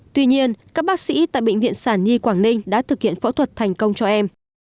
tuy nhiên các bác sĩ tại bệnh viện sản nhi quảng ninh đã thực hiện phẫu thuật thành công cho em